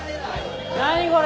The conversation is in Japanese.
何これ？